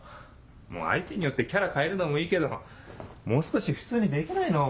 もう相手によってキャラ変えるのもいいけどもう少し普通にできないの？